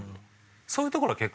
そういうところは結構。